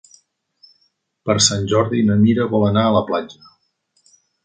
Per Sant Jordi na Mira vol anar a la platja.